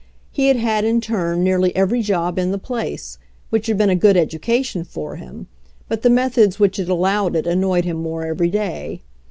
, He had had in turn nearly every job in the place, which had been a good education for him, but the methods which had allowed it annoyed him more every day.